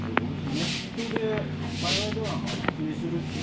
ネットで海外ドラマ一気見するって言ってたね。